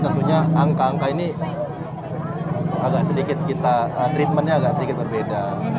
tentunya angka angka ini agak sedikit kita treatmentnya agak sedikit berbeda